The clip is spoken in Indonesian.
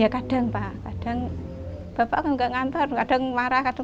ya kadang pak kadang bapak kan nggak ngantar kadang marah kadang